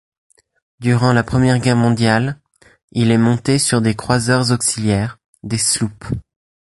Durant la Première Guerre mondiale, il est monté sur des croiseurs auxiliaires, des sloops.